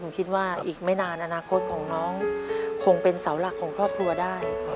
ผมคิดว่าอีกไม่นานอนาคตของน้องคงเป็นเสาหลักของครอบครัวได้